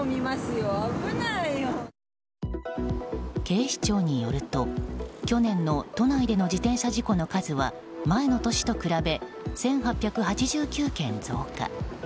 警視庁によると去年の都内での自転車事故の数は前の年と比べ１８８９件増加。